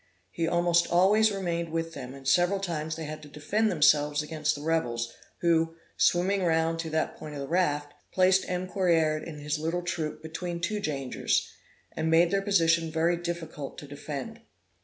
He almost always remained with them; and several times they had to defend themselves against the rebels, who, swimming round to that point of the raft, placed M. Correard and his little troop between two dangers, and made their position very difficult to defend.